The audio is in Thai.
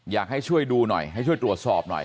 อยากให้ช่วยดูหน่อยให้ช่วยตรวจสอบหน่อย